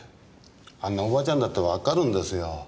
あんなおばあちゃんだってわかるんですよ。